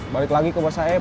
balik lagi ke ba saeb